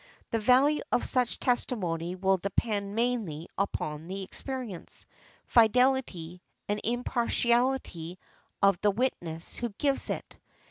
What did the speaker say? The value of such testimony will depend mainly upon the experience, fidelity and impartiality of the witness who gives it" .